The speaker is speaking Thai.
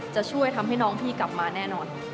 จะช่วยทำให้น้องพี่กลับมาแน่นอน